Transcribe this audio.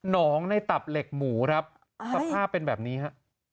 ในตับเหล็กหมูครับสภาพเป็นแบบนี้ฮะ